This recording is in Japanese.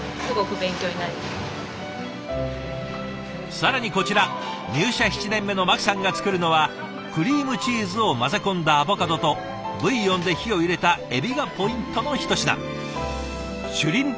更にこちら入社７年目の牧さんが作るのはクリームチーズを混ぜ込んだアボカドとブイヨンで火を入れたエビがポイントのひと品。